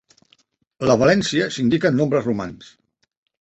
La valència s'indica amb nombres romans.